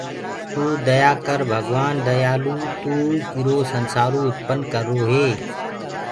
تو ديآ ڀگوآن ديآلو تو ايرو سنسآرو اُتپن ڪروئي